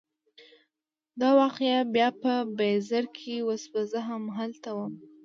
دا واقعه بیا په بیزر کې وشوه، زه همالته وم.